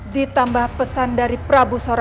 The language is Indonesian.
ditambah pesan dari prabu sora